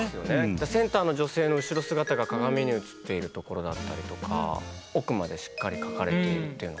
センターの女性の後ろ姿が鏡に映っているところだったりとか奥までしっかり描かれているというのがねすごく。